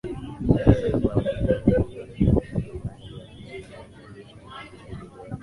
sana ambayo ni shilingi bilioni tatu na katika hali ya kustaajabisha ni shilingi bilioni